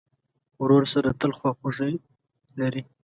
ورور سره تل خواخوږی لرې.